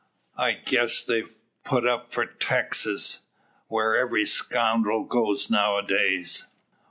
I guess they've put for Texas, whar every scoundrel goes nowadays.